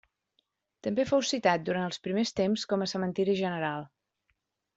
També fou citat, durant els seus primers temps com a Cementiri General.